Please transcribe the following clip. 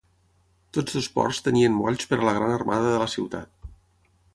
Tots dos ports tenien molls per a la gran armada de la ciutat.